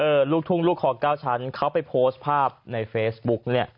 ลูกทุ่งลูกคอเก้าชั้นเขาไปโพสต์ภาพในเฟซบุ๊กเนี่ย